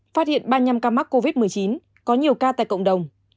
phát hiện ba mươi năm ca mắc covid một mươi chín có nhiều ca tại cộng đồng